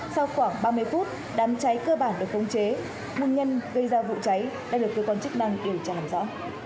sau khoảng ba mươi phút đám cháy cơ bản được khống chế nguồn nhân gây ra vụ cháy đã được cơ quan chức năng điều tra làm rõ